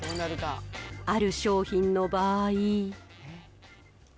ある商品の場合。